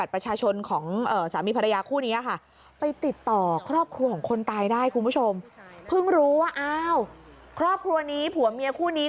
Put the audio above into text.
เพิ่งรู้ว่าอ้าวครอบครัวนี้ผัวเมียคู่นี้